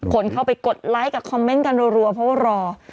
คนเข้าไปกดไลค์กับคอมเมนต์กันรัวเพราะว่ารอ